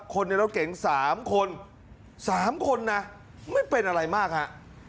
คนในรถเก๋ง๓คน๓คนนะไม่เป็นอะไรมากฮะ